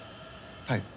はい。